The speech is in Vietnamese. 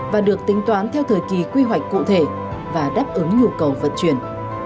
và được tính toán theo thời kỳ quy hoạch cụ thể và đáp ứng nhu cầu vận chuyển